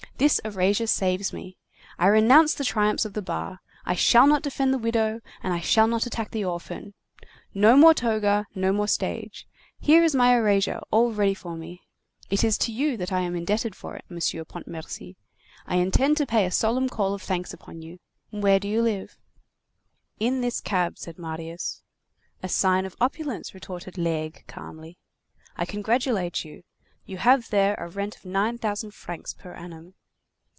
This erasure saves me. I renounce the triumphs of the bar. I shall not defend the widow, and I shall not attack the orphan. No more toga, no more stage. Here is my erasure all ready for me. It is to you that I am indebted for it, Monsieur Pontmercy. I intend to pay a solemn call of thanks upon you. Where do you live?" "In this cab," said Marius. "A sign of opulence," retorted Laigle calmly. "I congratulate you. You have there a rent of nine thousand francs per annum."